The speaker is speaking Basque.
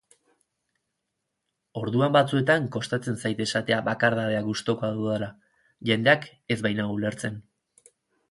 Orduan batzuetan kostatzen zait esatea bakardadea gustukoa dudala, jendeak ez bainau ulertzen.